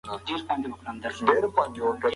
سمارټ وسایل د ښوونکو کار اسانه کوي.